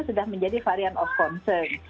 sudah menjadi varian of concern